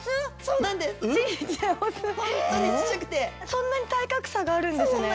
そんなに体格差があるんですね。